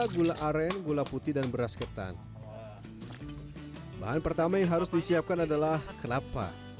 gula aren gula putih dan beras ketan bahan pertama yang harus disiapkan adalah kelapa